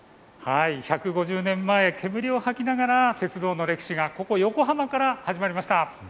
１５０年前、煙を吐きながら鉄道の歴史がここ横浜から始まりました。